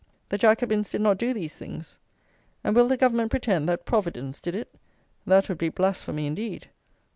The Jacobins did not do these things. And will the Government pretend that "Providence" did it? That would be "blasphemy" indeed.